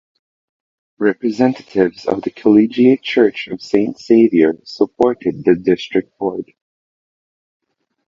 Representatives of the Collegiate Church of Saint Saviour supported the district board.